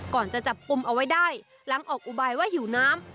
ก่อนจะจับกลุ่มเอาไว้ได้หลังออกอุบายว่าหิวน้ำ